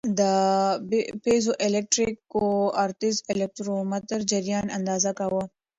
د پیزوالکتریک کوارتز الکترومتر جریان اندازه کاوه.